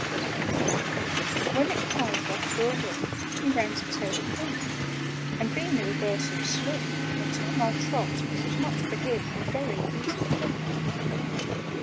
[Picture: He ran to tell the King] "When it was over, for a whim, He ran to tell the King; And being the reverse of slim, A two mile trot was not for him A very easy thing.